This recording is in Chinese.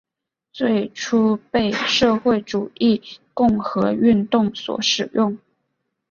最初被社会主义共和运动所使用。